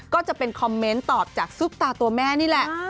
ก็จะเป็นคอมเมนต์ตอบจากซุปตาตัวแม่นี่แหละ